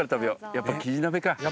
やっぱキジ鍋か。